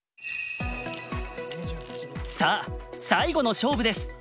さあ最後の勝負です。